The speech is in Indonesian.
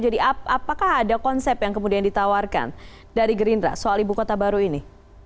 jadi apakah ada konsep yang kemudian ditawarkan dari gerindra soal ibu kota baru ini